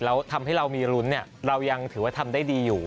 แล้วทำให้เรามีรุ้นเรายังถือว่าทำได้ดีอยู่